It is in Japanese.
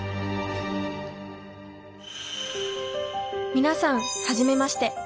皆さん初めまして。